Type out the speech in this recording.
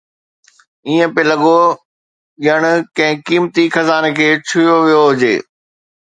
ائين پئي لڳو ڄڻ ڪنهن قيمتي خزاني کي ڇهيو ويو هجي